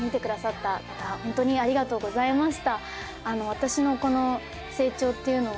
私の成長っていうのは。